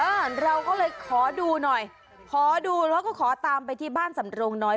อ่าเราก็เลยขอดูหน่อยขอดูแล้วก็ขอตามไปที่บ้านสำโรงน้อย